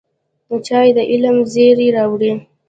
چای د علم زېری راوړي